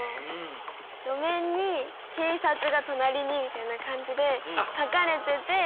路面に「警察が隣に」みたいな感じで描かれてて。